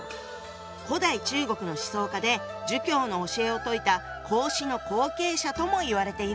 古代中国の思想家で儒教の教えを説いた孔子の後継者ともいわれているよね。